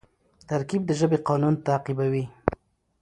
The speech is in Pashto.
ترکیب د ژبي قانون تعقیبوي.